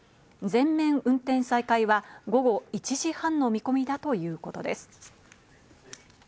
全面運転再開は午後１時半の見込みだということです。